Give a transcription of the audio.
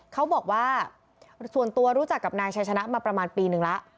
เขาบอกว่าส่วนตัวรู้จักกับนายชัยชนะมาประมาณปีนึงแล้ว